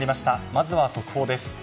まずは速報です。